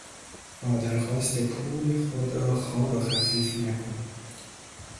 با درخواست پول خود را خوار و خفیف نکن!